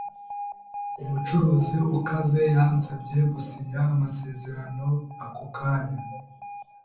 Umucuruzi ukaze yansabye gusinya amasezerano ako kanya.